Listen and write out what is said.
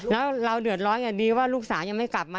แล้วเราเดือดร้อนไงดีว่าลูกสาวยังไม่กลับมา